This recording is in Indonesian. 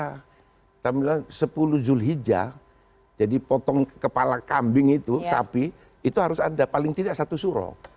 kita bilang sepuluh julhijjah jadi potong kepala kambing itu sapi itu harus ada paling tidak satu suro